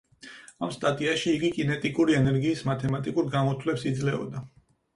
ამ სტატიაში იგი კინეტიკური ენერგიის მათემატიკურ გამოთვლებს იძლეოდა.